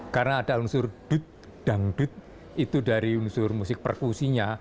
karena ada unsur dut dangdut itu dari unsur musik perkusinya